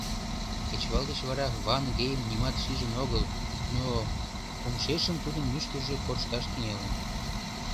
Кечывал деч вара Ван-Гейм нимат шижын огыл, но кумшешым тудын мӱшкыржӧ коршташ тӱҥалын.